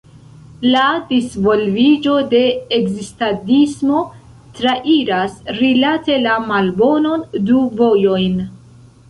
La disvolviĝo de ekzistadismo trairas, rilate la malbonon, du vojojn.